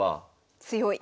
強い。